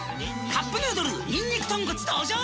「カップヌードルにんにく豚骨」登場！